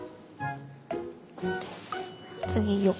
次横。